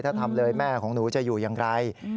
ถ้าทำเลยแม่ของหนูจะอยู่อย่างไร